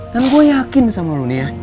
dan gue yakin sama lo nih ya